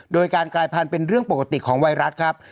โดยการกลายพันธุ์เป็นเรื่องปกติของไวรัสครับ